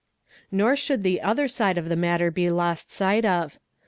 % Nor should the other side of the matter be lost sight of.